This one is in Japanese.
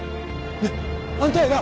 ねっあんたやな？